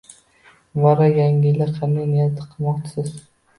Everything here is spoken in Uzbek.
Muborak, Yangi yilda qanday niyat qilmoqchisiz